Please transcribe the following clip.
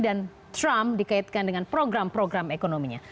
dan trump dikaitkan dengan program program ekonominya